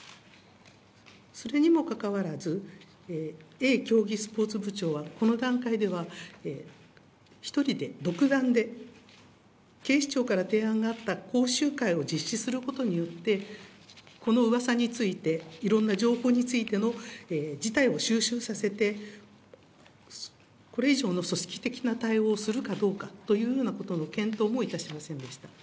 それにもかかわらず、Ａ競技スポーツ部長はこの段階では１人で、独断で、警視庁から提案があった講習会を実施することによって、このうわさについて、いろんな情報についての事態を収拾させて、これ以上の組織的な対応をするかどうかというようなことの検討もいたしませんでした。